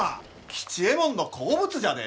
吉右衛門の好物じゃで！